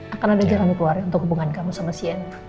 akan ada jalan keluar untuk hubungan kamu sama sienna